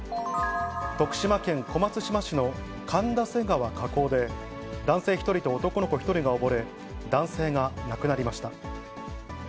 徳島県小松島市の神田瀬川河口で、男性１人と男の子１人が溺れ、男性が亡くなりました。